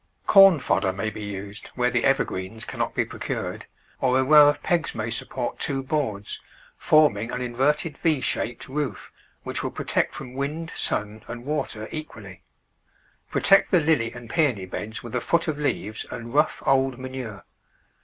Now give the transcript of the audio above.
Corn fodder may be used where the evergreens cannot be procured, or a row of pegs may support two boards, forming a A shaped roof, which will protect from wind, sun, and water equally. Protect the Lily and Peony beds with a foot of leaves and rough, old manure.